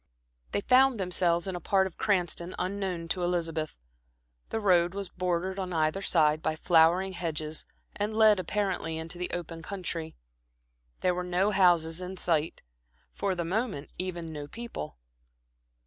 They found themselves in a part of Cranston unknown to Elizabeth. The road was bordered on either side by flowering hedges and led apparently into the open country. There were no houses in sight; for the moment, even no people.